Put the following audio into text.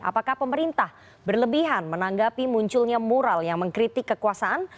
apakah pemerintah berlebihan menanggapi munculnya mural yang mengkritik kekuasaan